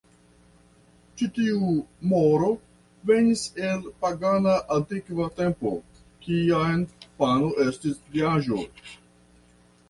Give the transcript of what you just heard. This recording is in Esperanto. Ĉi tiu moro venis el pagana antikva tempo, kiam pano estis diaĵo.